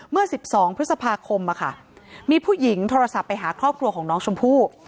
เมื่อ๑๒พฤษภาคมมีผู้หญิงโทรศัพท์ไปหาครอบครัวของน้องชมพู่